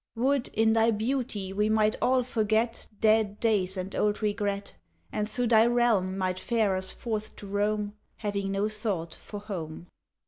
Would, in thy beauty, we might all forget Dead days and old regret, And through thy realm might fare us forth to roam, Having no thought for home!